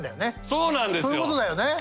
そういうことだよね。